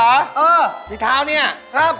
เออพี่เท้านี่อ่ะเหรอ